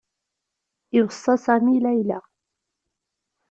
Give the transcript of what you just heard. Iweṣṣa Sami Layla.